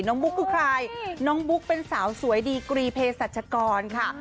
บุ๊กคือใครน้องบุ๊กเป็นสาวสวยดีกรีเพศรัชกรค่ะ